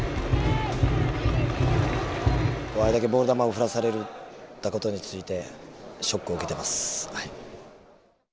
あれだけボール球を振らされたことについてショックを受けてますはい。